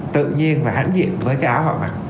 tự nhiên và hãnh diện với cái áo họ mặt